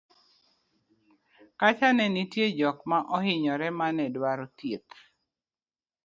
kacha ne nitie jok ma ohinyore mane dwaro chieth